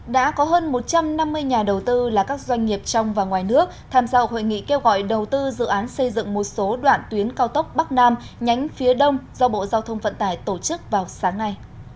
đã có hơn một trăm năm mươi nhà đầu tư là các doanh nghiệp trong và ngoài nước tham gia hội nghị kêu gọi đầu tư dự án xây dựng một số đoạn tuyến cao tốc bắc nam nhánh phía đông do bộ giao thông vận tải tổ chức vào sáng nay